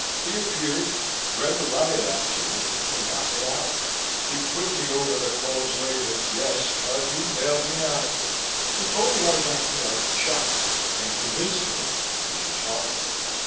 He appeared, read the riot act to me and got me out. He put me over the coals later, yes, but he'd bailed me out. He'd told me I was acting like a child and convinced me of it, which was harder.